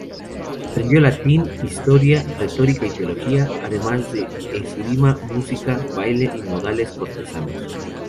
Aprendió latín, historia, retórica y teología, además de esgrima, música, baile y modales cortesanos.